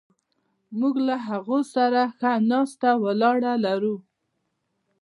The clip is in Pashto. موږ له هغوی سره ښه ناسته ولاړه لرو.